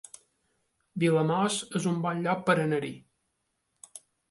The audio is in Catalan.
Vilamòs es un bon lloc per anar-hi